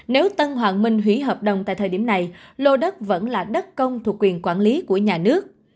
nếu tân hoàng minh hủy hợp đồng tại thời điểm này lô đất vẫn là đất công thuộc quyền quản lý của nhà nước